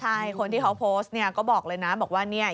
ใช่คนที่เขาโพสต์เนี่ยก็บอกเลยนะบอกว่าเนี่ย